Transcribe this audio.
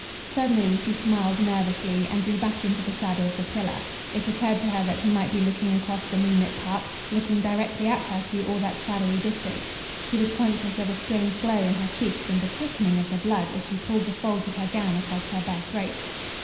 Suddenly she smiled nervously and drew back into the shadow of the pillar. It occurred to her that he might be looking across the moon lit park, looking directly at her through all that shadowy distance. She was conscious of a strange glow in her cheeks and a quickening of the blood as she pulled the folds of her gown across her bare throat.